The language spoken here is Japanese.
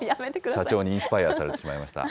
社長にインスパイアされてしまいました。